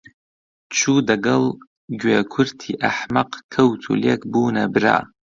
چوو دەگەڵ گوێ کورتی ئەحمەق کەوت و لێک بوونە برا